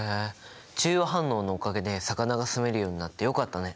中和反応のおかげで魚が住めるようになってよかったね。